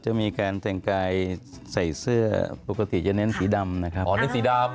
จะมีการแต่งกายใส่เสื้อปกติจะเน้นสีดำนะครับ